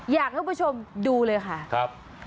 อยากลูกผู้ชมดูเลยค่ะ